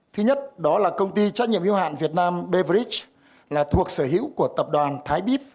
thứ nhất đó là công ty trách nhiệm hiếu hạn việt nam brics là thuộc sở hữu của tập đoàn thái bíp